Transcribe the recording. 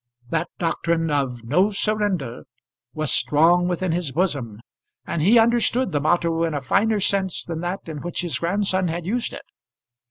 That doctrine of "No surrender" was strong within his bosom, and he understood the motto in a finer sense than that in which his grandson had used it.